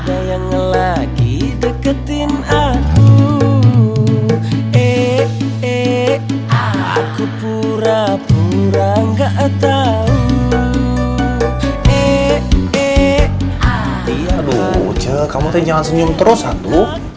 iya aduh ce kamu teh jangan senyum terus hatu